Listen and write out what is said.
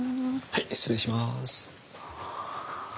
はい失礼します。